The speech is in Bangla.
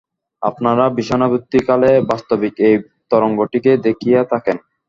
আপনারা বিষয়ানুভূতি-কালে বাস্তবিক এই তরঙ্গটিকেই দেখিয়া থাকেন।